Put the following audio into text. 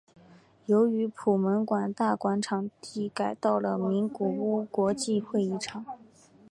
由于普门馆大馆场地改到了名古屋国际会议场。